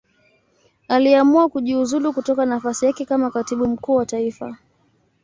Aliamua kujiuzulu kutoka nafasi yake kama Katibu Mkuu wa Taifa.